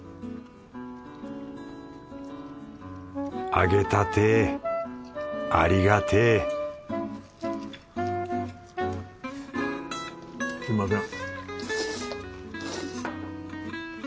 揚げたてありがてえすみません。